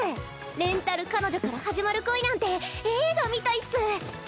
レンタル彼女から始まる恋なんて映画みたいっス。